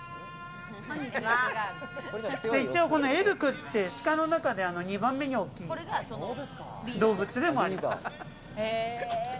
エルクって鹿の中で２番目に大きい動物でもあります。